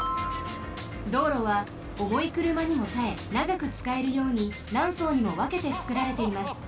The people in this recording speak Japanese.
道路はおもいくるまにもたえながくつかえるようになんそうにもわけてつくられています。